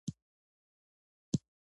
د خپل وخت دیني او ادبي علوم یې زده کړل.